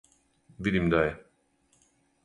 Видим да је.